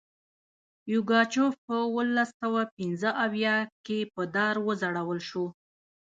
یوګاچف په اوولس سوه پنځه اویا کې په دار وځړول شو.